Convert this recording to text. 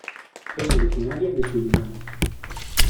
Es originaria de Surinam.